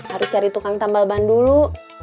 harus cari tukang tambal ban dulu